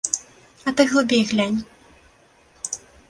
А ты глыбей глянь.